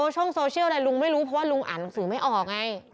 ช่องโซเชียลอะไรลุงไม่รู้เพราะว่าลุงอ่านหนังสือไม่ออกไง